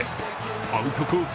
アウトコース